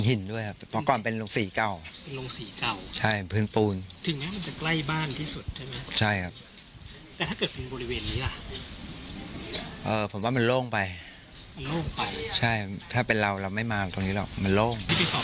มันจะเป็นแผนฝันมากกว่าหรือเปล่าในหัวของเรือน